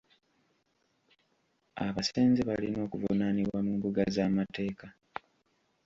Abasenze balina okuvunaanibwa mu mbuga z'amateeka.